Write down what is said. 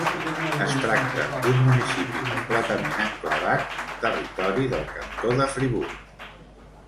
Es tracta d'un municipi completament enclavat en territori del cantó de Friburg.